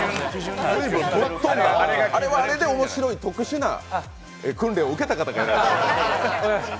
あれはあれで面白い特殊な訓練を受けた方がやられています。